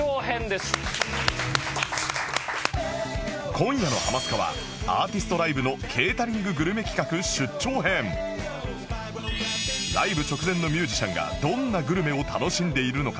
今夜の『ハマスカ』はアーティストライブのライブ直前のミュージシャンがどんなグルメを楽しんでいるのか？